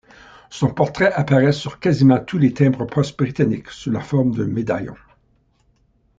Son portrait apparaît sur quasiment tous les timbres-poste britanniques sous la forme d'un médaillon.